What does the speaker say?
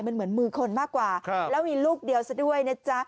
มันเหมือนมือคนมากกว่าแล้วมีลูกเดียวซะด้วยนะจ๊ะ